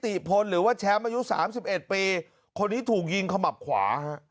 ติพลหรือว่าแชมป์อายุสามสิบเอ็ดปีคนนี้ถูกยิงขมับขวาฮะ